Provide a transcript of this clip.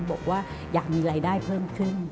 บอกว่าอยากมีรายได้เพิ่มขึ้น